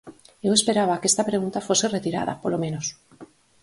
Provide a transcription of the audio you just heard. Eu esperaba que esta pregunta fose retirada, polo menos.